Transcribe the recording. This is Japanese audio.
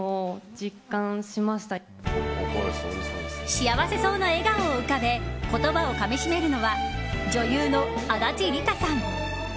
幸せそうな笑顔を浮かべ言葉をかみしめるのは女優の足立梨花さん。